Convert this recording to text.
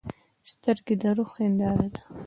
سترګې د روح هنداره ده.